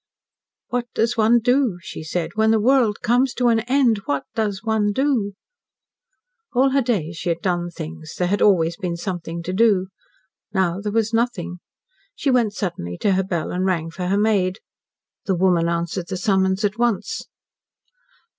"What does one do," she said, "when the world comes to an end? What does one do?" All her days she had done things there had always been something to do. Now there was nothing. She went suddenly to her bell and rang for her maid. The woman answered the summons at once.